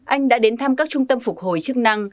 anh đã đến thăm các trung tâm phục hồi chức năng